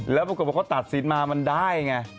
แล้วปรากฏว่าเขาตัดสินมามันได้ไง